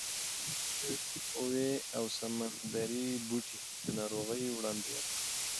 اوې او سمندري بوټي د ناروغۍ وړاندوینه کوي.